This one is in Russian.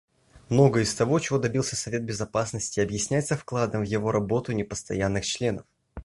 Многое из того, чего добился Совет Безопасности, объясняется вкладом в его работу непостоянных членов.